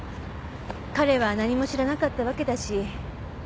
彼は何も知らなかったわけだし。